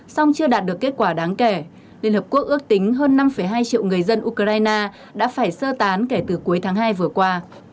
song chưa đạt được kết quả đáng kể liên hợp quốc ước tính hơn năm hai triệu người dân ukraine đã phải sơ tán kể từ cuối tháng hai vừa qua